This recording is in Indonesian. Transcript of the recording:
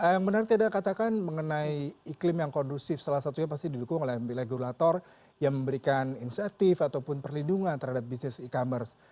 yang menarik katakan mengenai iklim yang kondusif salah satunya pasti didukung oleh regulator yang memberikan insentif ataupun perlindungan terhadap bisnis e commerce